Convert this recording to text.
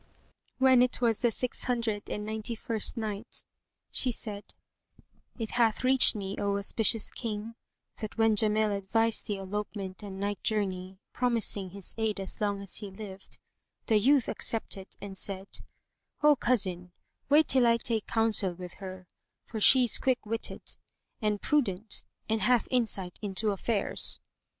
When it was the Six Hundred and Ninety first Night, She said, It hath reached me, O auspicious King, that when Jamil advised the elopement and night journey, promising his aid as long as he lived, the youth accepted and said, "O cousin, wait till I take counsel with her, for she is quick witted and prudent and hath insight into affairs."